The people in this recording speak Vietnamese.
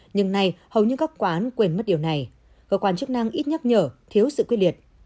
nhưng nay hầu như các quán quên mất điều này cơ quan chức năng ít nhắc nhở thiếu sự quyết liệt